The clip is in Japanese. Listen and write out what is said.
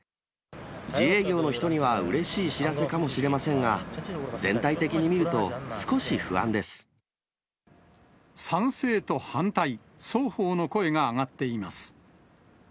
自営業の人にはうれしい知らせかもしれませんが、全体的に見ると賛成と反対、双方の声が上がっています。